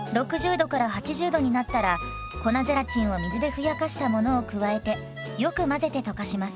℃から８０℃になったら粉ゼラチンを水でふやかしたものを加えてよく混ぜて溶かします。